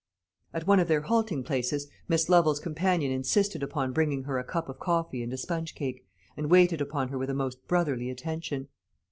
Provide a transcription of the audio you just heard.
At one of their halting places, Miss Lovel's companion insisted upon bringing her a cup of coffee and a sponge cake, and waited upon her with a most brotherly attention.